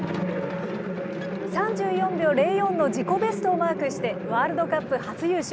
３４秒０４の自己ベストをマークして、ワールドカップ初優勝。